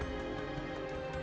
dia juga menangis